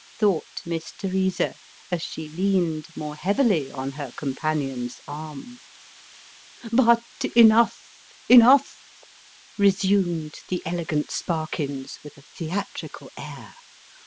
" thought Miss Teresa, as she leaned more heavily on her companion's arm. " But enough enough !" resumed the elegant Sparkius, with a theatrical air.